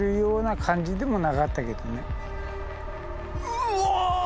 うわ！